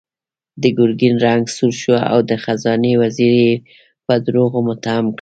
د ګرګين رنګ سور شو او د خزانې وزير يې په دروغو متهم کړ.